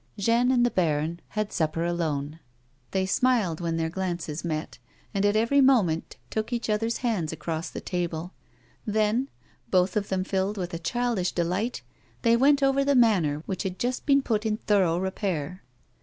Jeanne and the baron had supper alone. They smiled when their glances met, and, at every moment, took each other's hands across the table ; then, both of them filled with a childish delight, they went over the manor which had just been put in thorough repair.